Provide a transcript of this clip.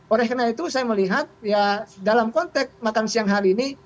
oleh karena itu saya melihat ya dalam konteks makan siang hari ini